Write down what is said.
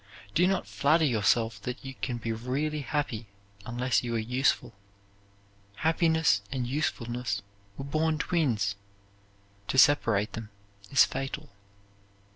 Do not flatter yourself that you can be really happy unless you are useful. Happiness and usefulness were born twins. To separate them is fatal.